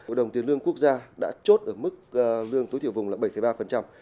hội đồng tiền lương quốc gia đã chốt ở mức lương tối thiểu vùng là bảy ba